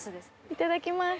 いただきます。